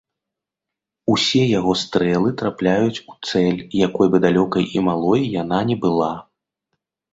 Усе яго стрэлы трапляюць у цэль, якой бы далёкай і малой яна ні была.